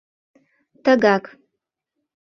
Тыгак.